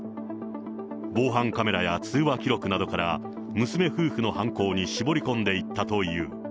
防犯カメラや通話記録などから、娘夫婦の犯行に絞り込んでいったという。